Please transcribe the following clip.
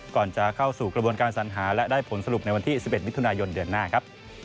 ก่อนจะเข้าสู่กระบวนการสัญหาและได้ผลสรุปในวันที่๑๑มิถุนายนเดือนหน้าครับ